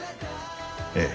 ええ。